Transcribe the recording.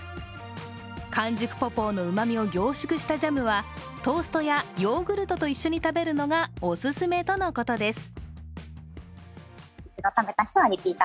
完熟ポポーのうまみを凝縮したジャムはトーストやヨーグルトと一緒に食べるのがお勧めとのことです。